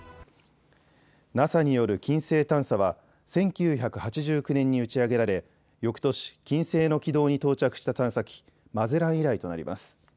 ＮＡＳＡによる金星探査は１９８９年に打ち上げられよくとし金星の軌道に到着した探査機、マゼラン以来となります。